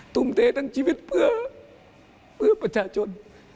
ทุ่มเททั้งชีวิตเพื่อประชาชน